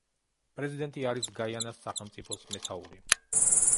პრეზიდენტი არის გაიანას სახელმწიფოს მეთაური.